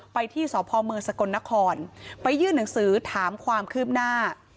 ไปที่สพเมืองสกลนครไปยื่นหนังสือถามความคืบหน้า